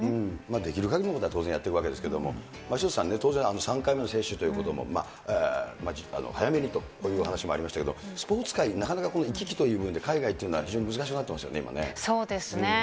できるかぎりのことは当然やっていくわけですけれども、潮田さん、当然、３回目の接種ということも、早めにという話もありましたけど、スポーツ界、なかなか行き来といううえで、海外というのは非常に難しくなっそうですね。